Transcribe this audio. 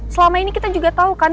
selama ini kita juga tahu kan